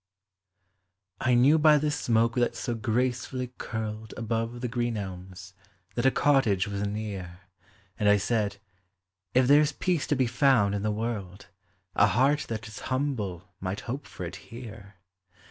I knew by the smoke that so gracefully curled Above the green elms, that a cottage was near, And 1 said, " If there 's peace to be found in the world, A heart that is humble might hope for it here!